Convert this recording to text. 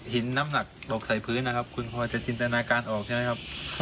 น้ำหนักตกใส่พื้นนะครับคุณพอจะจินตนาการออกใช่ไหมครับ